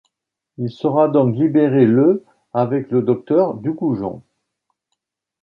Il sera donc libéré le avec le docteur Dugoujon.